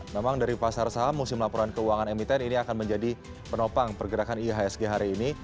memang dari pasar saham musim laporan keuangan emiten ini akan menjadi penopang pergerakan ihsg hari ini